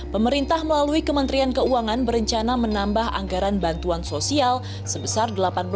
pemerintah melalui kementerian keuangan berencana menambah anggaran bantuan sosial sebesar delapan belas